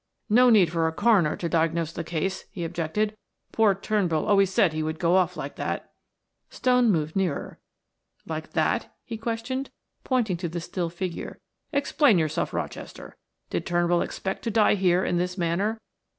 "No need for a coroner to diagnose the case," he objected. "Poor Turnbull always said he would go off like that." Stone moved nearer. "Like that?" he questioned, pointing to the still figure. "Explain yourself, Rochester. Did Turnbull expect to die here in this manner?"